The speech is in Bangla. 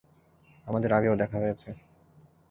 আমাদের আগেও দেখা হয়েছে।